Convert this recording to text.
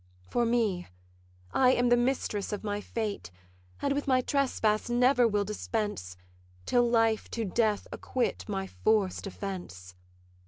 For me, I am the mistress of my fate, And with my trespass never will dispense, Till life to death acquit my forced offence.